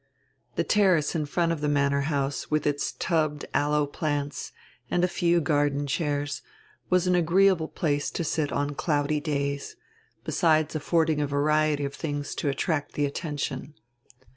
The terrace in front of die manor house, with its tubbed aloe plants and a few garden chairs, was an agreeable place to sit on cloudy days, besides affording a variety of tilings to attract the attention.